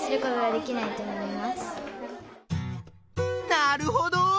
なるほど！